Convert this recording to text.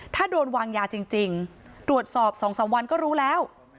ถ้าโดนวางยาจริงจริงตรวจสอบสองสามวันก็รู้แล้ว